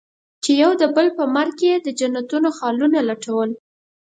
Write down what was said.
چې يو د بل په مرګ کې يې د جنتونو خالونه لټول.